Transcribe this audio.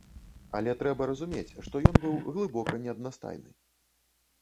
Але трэба разумець, што ён быў глыбока неаднастайны.